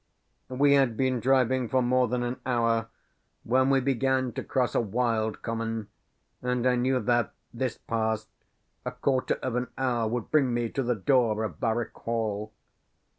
We had been driving for more than an hour, when we began to cross a wild common; and I knew that, this passed, a quarter of an hour would bring me to the door of Barwyke Hall.